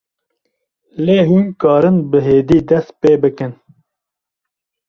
lê hûn karin bi hêdî dest pê bikin